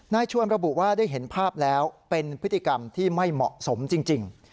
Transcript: นายชวนระบุว่าได้เห็นภาพแล้วเป็นพฤติกรรมที่ไม่เหมาะสมจริง